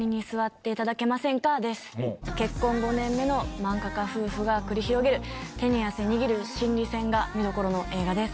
結婚５年目の漫画家夫婦が繰り広げる手に汗握る心理戦が見どころの映画です。